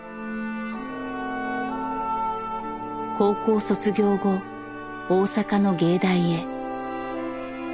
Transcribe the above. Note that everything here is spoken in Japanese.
高校卒業後大阪の芸大へ。